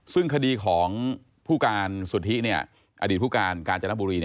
ซึ่งคดีของผู้การสุทธิอดีตผู้การกาญจนบุรี